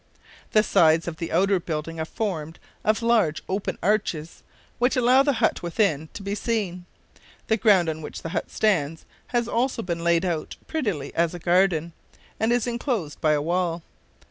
The sides of the outer building are formed of large, open arches, which allow the hut within to be seen. The ground on which the hut stands has also been laid out prettily as a garden, and is inclosed by a wall.